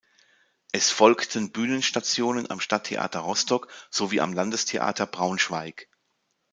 Es folgten Bühnenstationen am Stadttheater Rostock sowie am Landestheater Braunschweig.